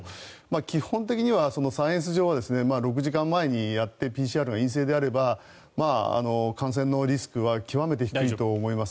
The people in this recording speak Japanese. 基本的にはサイエンス上は６時間以内にやってＰＣＲが陰性であれば感染のリスクは極めて低いと思います。